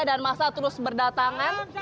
dan masa terus berdatangan